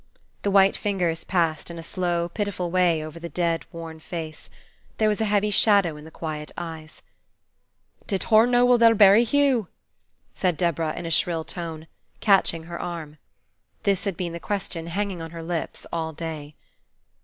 The white fingers passed in a slow, pitiful way over the dead, worn face. There was a heavy shadow in the quiet eyes. "Did hur know where they'll bury Hugh?" said Deborah in a shrill tone, catching her arm. This had been the question hanging on her lips all day.